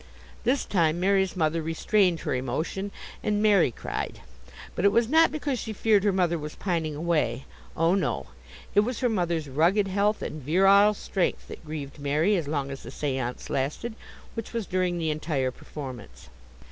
This time Mary's mother restrained her emotion, and Mary cried. But it was not because she feared her mother was pining away. Oh, no; it was her mother's rugged health and virile strength that grieved Mary, as long as the seance lasted, which was during the entire performance.